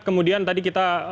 kemudian tadi kita